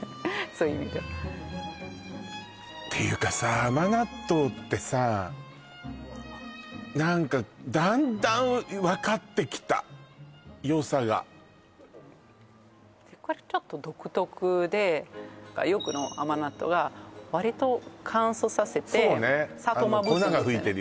そういう意味ではていうかさ甘納豆ってさ何かだんだん分かってきた良さがこれちょっと独特でよくの甘納豆は割と乾燥させて砂糖まぶすんですよね